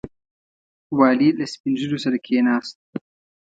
والي له سپین ږیرو سره کښېناست.